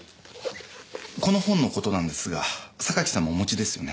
この本のことなんですが榊さんもお持ちですよね？